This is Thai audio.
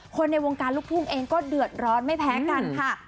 ในวงการลูกทุ่งเองก็เดือดร้อนไม่แพ้กันค่ะ